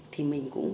thì mình cũng